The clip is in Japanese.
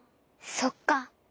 そっか。